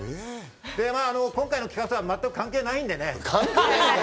今回の企画とは全く関係ないんでね。